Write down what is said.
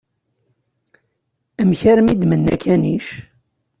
Amek armi i d-imenna akanic?